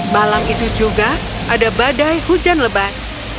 malam itu juga ada badai hujan lebat